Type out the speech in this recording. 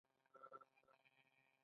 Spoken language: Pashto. د کلي د يو کور له بامه سپي ورپسې وغپل.